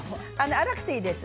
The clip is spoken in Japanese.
粗くてもいいです。